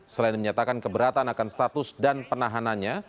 selain menyatakan keberatan akan status dan penahanannya